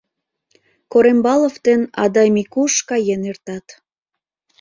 Корембалов ден Адай Микуш каен эртат.